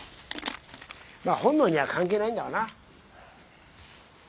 本能には関係ないんだわな。